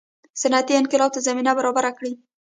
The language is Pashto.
صنعتي انقلاب ته زمینه برابره کړي.